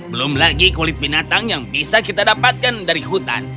belum lagi kulit binatang yang bisa kita dapatkan dari hutan